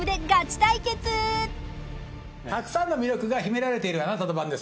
たくさんの魅力が秘められている『あなたの番です』。